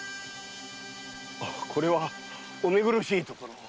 これはお見苦しいところを。